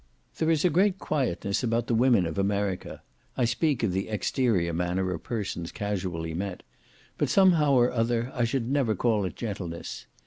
There is a great quietness about the women of America (I speak of the exterior manner of persons casually met), but somehow or other, I should never call it gentleness.